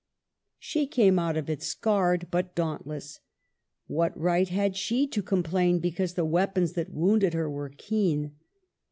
She came out of it scarred, but dauntless. What right had she to complain because the weapons that wounded her were keen